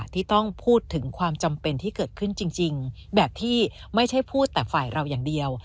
ที่ต้องพูดถึงความจำเป็นที่เกิดขึ้นจริงแบบที่ไม่ใช่พูดแต่ฝ่ายเราอย่างเดียว